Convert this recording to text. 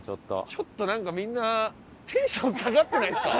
ちょっとなんかみんなテンション下がってないですか？